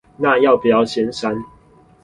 哪要不要先刪